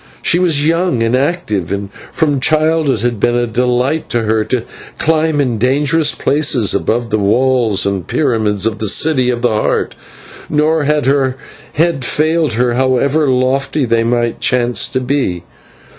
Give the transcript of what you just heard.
She was young and active, and from childhood it had been a delight to her to climb in dangerous places about the walls and pyramids of the City of the Heart, nor had her head failed her however lofty they might chance to be.